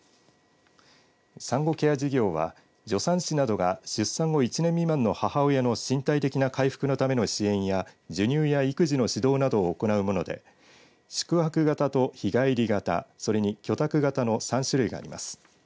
産後ケア事業は助産師などが出産後１年未満の母親の身体的な回復のための支援や授乳や育児の指導などを行うもので宿泊型と日帰り型それに居宅型の３種類があります。